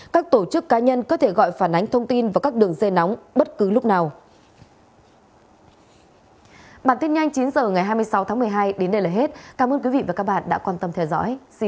các tổ chức cá nhân có thể gọi phản ánh thông tin vào các đường dây nóng bất cứ lúc nào